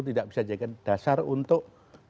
tidak bisa jadi dasar untuk